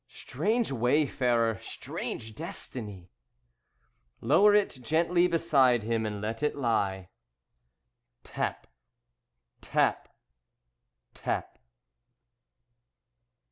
Strange Wayfarer! Strange Destiny! Lower it gently beside him and let it lie. Tap! Tap! Tap!